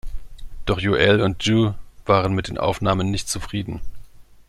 Doch Joel und Joo waren mit den Aufnahmen nicht zufrieden.